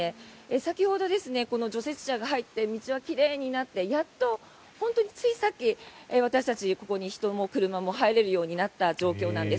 先ほど、除雪車が入って道は奇麗になってやっと本当についさっき私たち、ここに人も車も入れるようになった状況なんです。